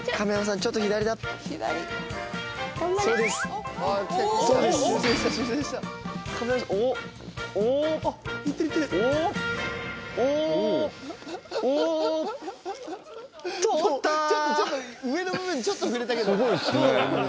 ちょっと上の部分ちょっと触れたけど。